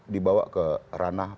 dibawa ke ranah